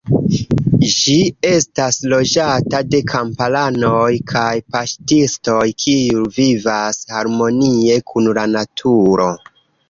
Ĝi estas loĝata de kamparanoj kaj paŝtistoj kiuj vivas harmonie kun la naturo.